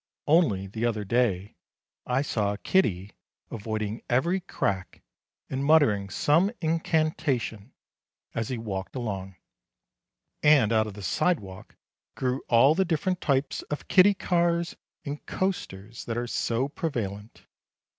Only the other day I saw a kiddie avoiding every crack and muttering some incantation as he walked along. And out of the sidewalk grew all the different types of kiddie kars and coasters that are so prevalent.